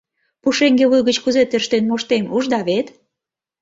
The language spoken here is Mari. Пушеҥге вуй гыч кузе тӧрштен моштем, ужда вет?